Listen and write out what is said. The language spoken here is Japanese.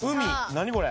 何これ？